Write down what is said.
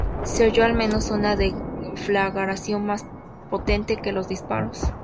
Se oyó al menos una deflagración más potente que los disparos.